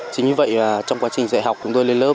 chính như vậy trong quá trình dạy học chúng tôi lên lớp